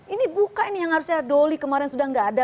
ini buka ini yang harusnya doli kemarin sudah tidak ada